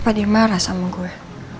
apa dia marah sama gue